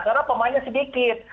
karena pemainnya sedikit